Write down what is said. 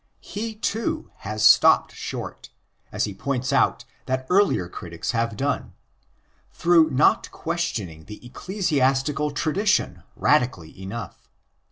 He, too, has stopped short—as he points out that earlier critics have done—through not questioning the ecclesiastical tradition radically enough.